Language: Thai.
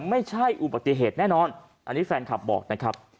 ไม่ใช่อุบัติเหตุแน่นอนอันนี้แฟนคลับบอกนะครับ